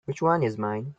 Which one is mine?